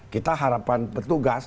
kita harapan petugas